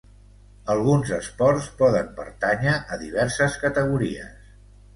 Alguns esports poden pertànyer a diverses categories.